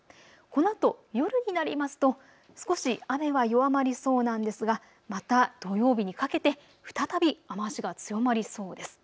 このあと夜になりますと少し雨は弱まりそうなんですがまた土曜日にかけて再び雨足が強まりそうです。